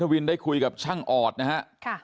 หุ้นได้คุยกับช่างอ่อทธิ์นะฮะค่ะ